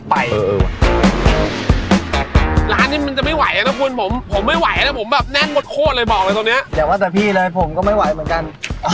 เดี๋ยวว่าจะพี่ด้วยผมก็ไม่ไหวเหมือนกัน